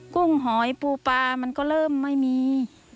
กุ้งหอยปูปลามันก็เริ่มไม่มี